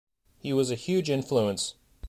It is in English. He was a huge influence.